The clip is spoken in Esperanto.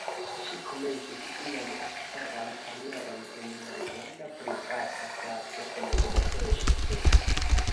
Ŝi komencis sian aktoran karieron en malgranda privata teatro en Budapeŝto.